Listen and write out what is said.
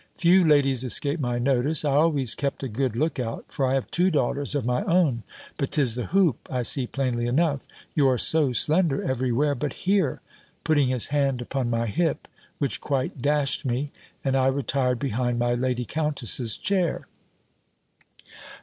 Few ladies escape my notice. I always kept a good look out; for I have two daughters of my own. But 'tis the hoop, I see plainly enough. You are so slender every where but here," putting his hand upon my hip which quite dashed me; and I retired behind my Lady Countess's chair.